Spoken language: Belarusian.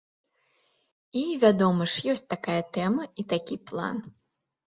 І, вядома ж, ёсць такая тэма і такі план.